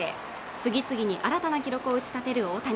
次々に新たな記録を打ち立てる大谷